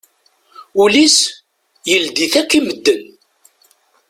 Ul-is, yeldi-t akk i medden.